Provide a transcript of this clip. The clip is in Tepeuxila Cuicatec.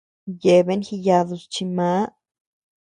Yeabean jiyadus chi màà.